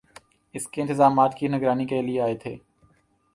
اس کے انتظامات کی نگرانی کیلئے آئے تھے